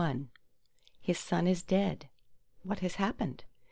XCII "His son is dead." What has happened?